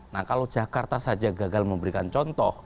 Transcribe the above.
nah kalau jakarta saja gagal memberikan contoh